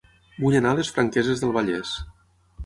Vull anar a Les Franqueses del Vallès